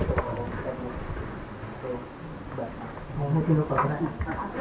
วันนี้ก็จะเป็นสวัสดีครับ